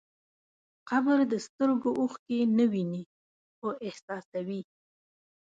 قبر د سترګو اوښکې نه ویني، خو احساسوي.